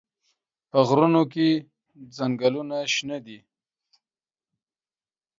په غرونو کې ځنګلونه شنه دي.